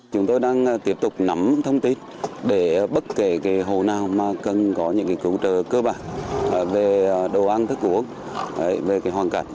chúng tôi đang tiếp tục nắm thông tin để bất kể hồ nào mà cần có những cứu trợ cơ bản về đồ ăn thức uống về hoàn cảnh